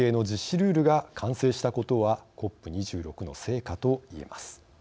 ルールが完成したことはＣＯＰ２６の成果といえます。